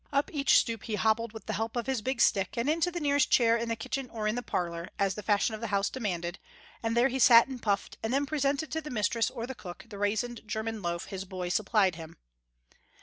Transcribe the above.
Up each stoop he hobbled with the help of his big stick, and into the nearest chair in the kitchen or in the parlour, as the fashion of the house demanded, and there he sat and puffed, and then presented to the mistress or the cook the raisined german loaf his boy supplied him.